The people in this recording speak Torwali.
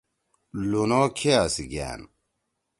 لُن او کِھیا سی گأن۔